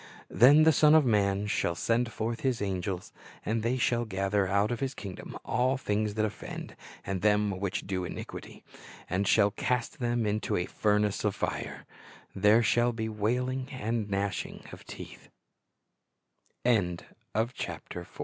Then "the Son of man shall send forth His angels, and they shall gather out of His kingdom all things that offend, and them which do iniquity; and shall cast them into a furnace of fire; there shall be wail